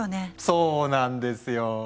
そうなんですよ。